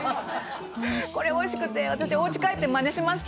「これ美味しくて私おうち帰ってマネしました」